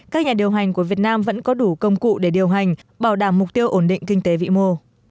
các nhà điều hành của việt nam vẫn có đủ công cụ để điều hành bảo đảm mục tiêu ổn định kinh tế vĩ mô